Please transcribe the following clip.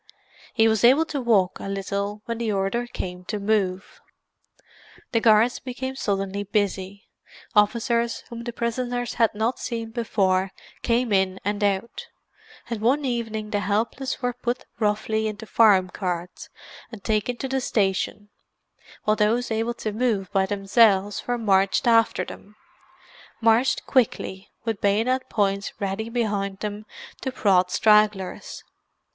He was able to walk a little when the order came to move. The guards became suddenly busy; officers whom the prisoners had not seen before came in and out, and one evening the helpless were put roughly into farm carts and taken to the station, while those able to move by themselves were marched after them—marched quickly, with bayonet points ready behind them to prod stragglers.